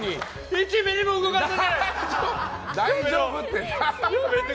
１ミリも動かせない！